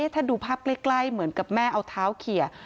ถ้าดูภาพใกล้เหมือนกับแม่เอาเท้าเขีย